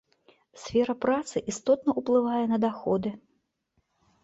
Сфера працы істотна ўплывае на даходы.